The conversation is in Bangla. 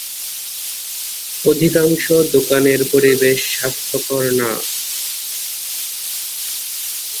অধিকাংশ দোকানের পরিবেশ স্বাস্থ্যকর না।